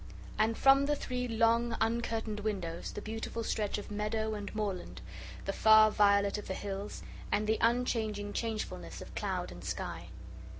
And from the three long uncurtained windows the beautiful stretch of meadow and moorland, the far violet of the hills, and the unchanging changefulness of cloud and sky.